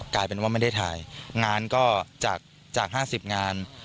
กลายเป็นว่าไม่ได้ถ่ายงานก็จาก๕๐งาน